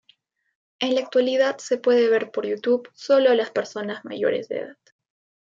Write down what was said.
En la actualidad se puede ver por YouTube solo las personas mayores de edad.